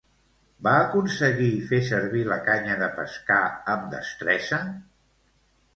Va aconseguir fer servir la canya de pescar amb destresa?